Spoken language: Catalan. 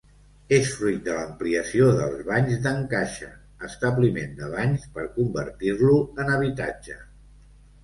És fruit de l'ampliació dels Banys d'en Caixa, establiment de banys, per convertir-lo en habitatge.